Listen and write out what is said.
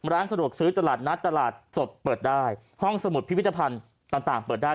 ร้านสะดวกซื้อตลาดนัดตลาดสดเปิดได้ห้องสมุดพิพิธภัณฑ์ต่างเปิดได้